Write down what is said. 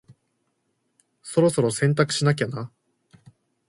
そろそろ洗濯しなきゃな。